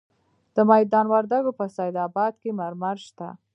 د میدان وردګو په سید اباد کې مرمر شته.